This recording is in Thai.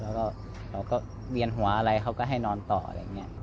แล้วก็เราก็เวียนหัวอะไรเขาก็ให้นอนต่ออะไรอย่างนี้